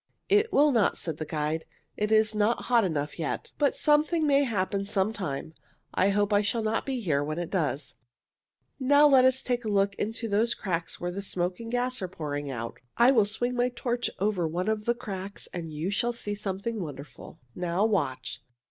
"It will not," said the guide. "It is not hot enough yet. But something may happen some time. I hope I shall not be here when it does. Now let us take a look into those cracks where the smoke and gas are pouring out. I will swing my torch over one of the cracks and you shall see something wonderful. Now watch!"